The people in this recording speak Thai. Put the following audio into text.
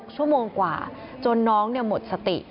ชั่วโมงกว่าจนน้องหมดสติ